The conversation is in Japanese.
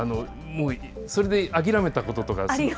それで諦めたこととか。